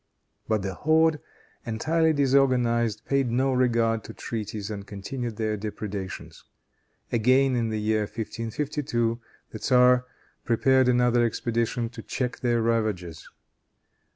But the horde, entirely disorganized, paid no regard to treaties and continued their depredations. Again, in the year 1552, the tzar prepared another expedition to check their ravages.